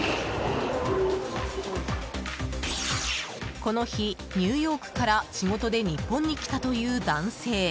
この日、ニューヨークから仕事で日本にきたという男性。